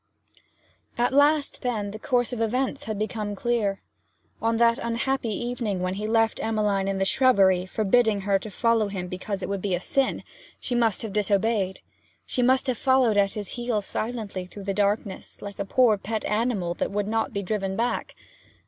At last, then, the course of events had become clear. On that unhappy evening when he left Emmeline in the shrubbery, forbidding her to follow him because it would be a sin, she must have disobeyed. She must have followed at his heels silently through the darkness, like a poor pet animal that will not be driven back.